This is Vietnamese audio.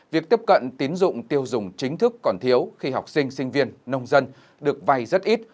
việc tiếp cận tín dụng tiêu dùng chính thức còn thiếu khi học sinh sinh viên nông dân được vay rất ít